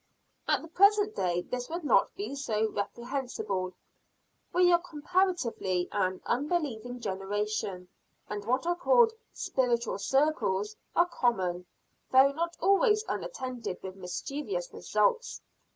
At the present day this would not be so reprehensible. We are comparatively an unbelieving generation; and what are called "spiritual circles" are common, though not always unattended with mischievous results.